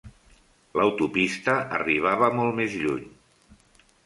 L'autopista arribava molt més lluny.